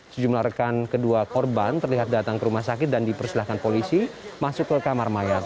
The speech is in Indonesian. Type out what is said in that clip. sejumlah rekan kedua korban terlihat datang ke rumah sakit dan dipersilahkan polisi masuk ke kamar mayat